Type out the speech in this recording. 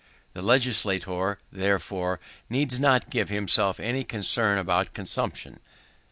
The legislator, therefore, needs not give himself any concern about consumption.